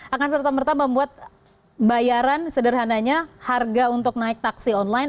akan serta merta membuat bayaran sederhananya harga untuk naik taksi online